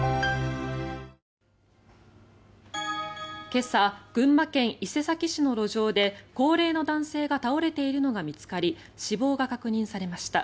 今朝、群馬県伊勢崎市の路上で高齢の男性が倒れているのが見つかり死亡が確認されました。